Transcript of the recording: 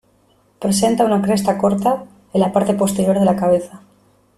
Presenta una cresta corta en la parte posterior de la cabeza.